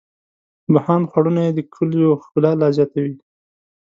بهاند خوړونه یې د کلیو ښکلا لا زیاتوي.